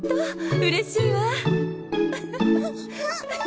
うれしいわ。